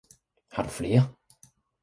Har du flere?